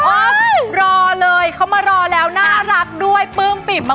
รอเลยเขามารอแล้วน่ารักด้วยปลื้มปิ่มมาก